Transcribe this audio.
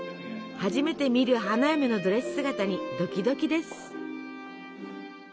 初めて見る花嫁のドレス姿にドキドキです。